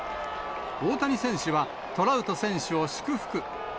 大谷選手はトラウト選手を祝福。